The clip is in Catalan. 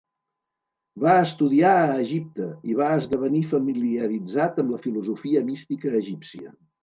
Va estudiar a Egipte i va esdevenir familiaritzat amb la filosofia mística egípcia.